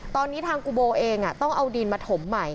ตอนนี้ทางกูโบเองต้องเอาดินมาถมใหม่